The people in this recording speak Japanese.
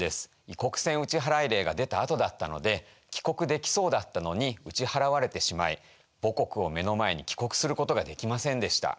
異国船打払令が出たあとだったので帰国できそうだったのに打ち払われてしまい母国を目の前に帰国することができませんでした。